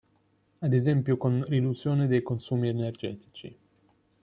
Ad esempio con riduzione dei consumi energetici.